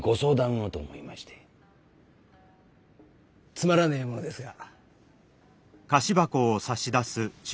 つまらねえものですが。